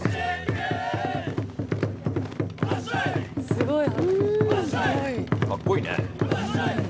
すごい。